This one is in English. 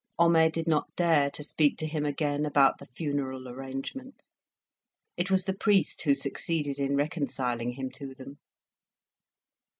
Homais did not dare to speak to him again about the funeral arrangements; it was the priest who succeeded in reconciling him to them.